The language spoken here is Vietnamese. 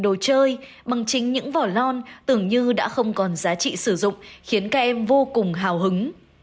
bỏ đi những trậu chơi bằng chính những vỏ lon tưởng như đã không còn giá trị sử dụng khiến các em vô cùng hào hứng